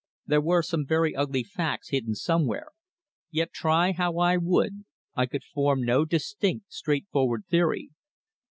There were some very ugly facts hidden somewhere, yet try how I would I could form no distinct straightforward theory.